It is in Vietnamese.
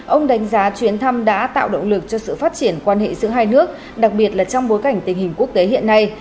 ông đánh giá chuyến thăm đã tạo động lực cho sự phát triển quan hệ giữa hai nước đặc biệt là trong bối cảnh tình hình quốc tế hiện nay